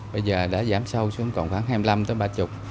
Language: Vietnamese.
bây giờ đã giảm sâu xuống khoảng hai mươi năm ba mươi tấn